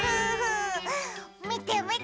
みてみて。